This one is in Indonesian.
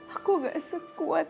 aku gak sekuat